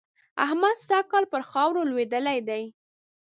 احمد سږ کال پر خاورو لوېدلی دی.